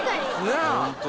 なあ。